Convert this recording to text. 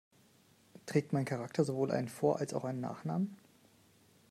Trägt mein Charakter sowohl einen Vor- als auch einen Nachnamen?